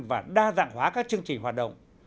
và đa dạng hóa các chương trình hoạt động